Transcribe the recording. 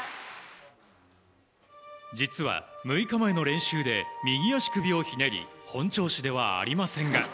実は、６日前の練習で右足首をひねり本調子ではありませんが。